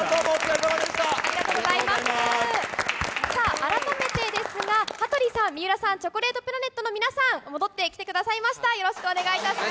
さあ、改めてですが、羽鳥さん、水卜さん、チョコレートプラネットの皆さん、戻ってきてくださいました、よろしくお願いいたしま